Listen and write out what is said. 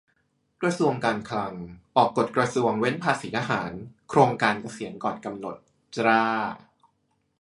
กระทรวงการคลัง ออกกฎกระทรวงเว้นภาษีทหาร 'โครงการเกษียณก่อนกำหนด' จร้า